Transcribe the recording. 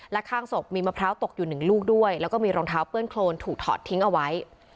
และข้างศพมีมะพร้าวตกอยู่หนึ่งลูกด้วยแล้วก็มีรองเท้าเปื้อนโครนถูกถอดทิ้งเอาไว้